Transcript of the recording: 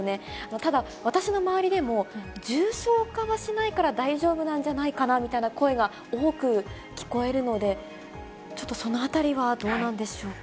ただ、私の周りでも、重症化はしないから、大丈夫なんじゃないかなみたいな声が多く聞こえるので、ちょっとそのあたりは、どうなんでしょうか。